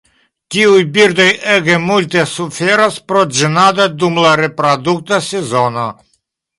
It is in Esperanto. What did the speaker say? Tiuj birdoj ege multe suferas pro ĝenado dum la reprodukta sezono.